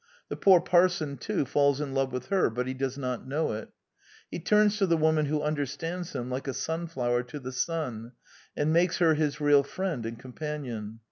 The poor parson, too, falls in love with her; but he does not know it. He turns to the woman who understands him like a sunflower to the sun, and makes her his real friend and companion.